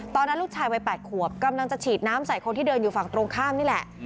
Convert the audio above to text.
ตอนนั้นลูกชายวัย๘ขวบกำลังจะฉีดน้ำใส่คนที่เดินอยู่ฝั่งตรงข้ามนี่แหละ